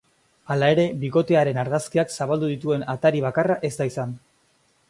Hala ere, bikotearen argazkiak zabaldu dituen atari bakarra ez da izan.